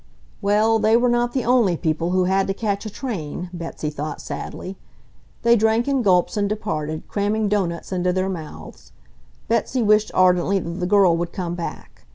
Well, they were not the only people who had to catch a train, Betsy thought sadly. They drank in gulps and departed, cramming doughnuts into their mouths. Betsy wished ardently that the girl would come back.